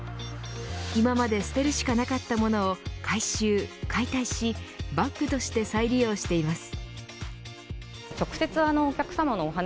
今まで捨てるしかなかったものを回収解体しバッグとして再利用しています。